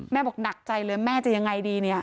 บอกหนักใจเลยแม่จะยังไงดีเนี่ย